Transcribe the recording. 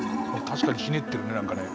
確かにひねってるね何かね。